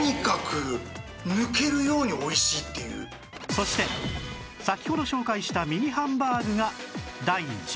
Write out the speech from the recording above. そして先ほど紹介したミニハンバーグが第１１位